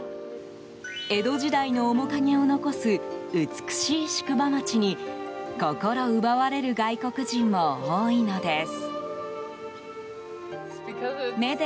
江戸時代の面影を残す美しい宿場町に心奪われる外国人も多いのです。